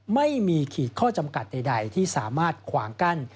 ไม่มีขีดข้อจำกัดใดที่สามารถขวางกั้น